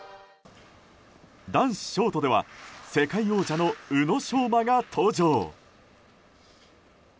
男子ショートでは世界王者の宇野昌磨が登場。